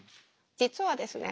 実はですね